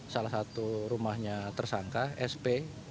salah satu rumahnya tersangka sp